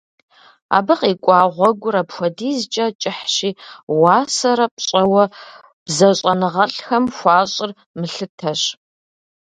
Абы къикӀуа гъуэгур апхуэдизкӀэ кӀыхьщи, уасэрэ пщӀэуэ бзэщӀэныгъэлӀхэм хуащӀыр мылъытэщ.